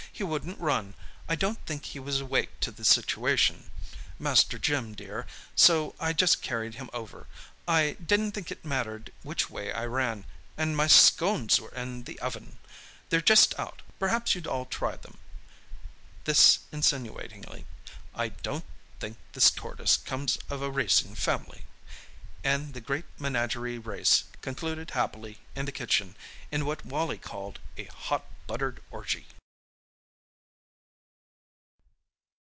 "He wouldn't run. I don't think he was awake to the situation, Master Jim, dear, so I just carried him over—I didn't think it mattered which way I ran—and my scones were in the oven! They're just out—perhaps you'd all try them?"—this insinuatingly. "I don't think this tortoise comes of a racing family!"—and the great menagerie race concluded happily in the kitchen in what Wally called "a hot buttered orgy."